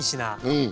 うん。